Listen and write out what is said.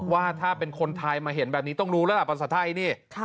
ว่าถ้าเป็นคนไทยมาเห็นแบบนี้ต้องรู้แล้วล่ะภาษาไทยนี่